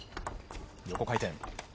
横回転。